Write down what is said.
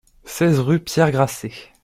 seize rue Pierre Grasset